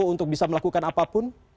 untuk bisa melakukan apapun